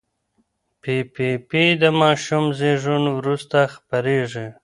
پي پي پي د ماشوم زېږون وروسته خپرېږي.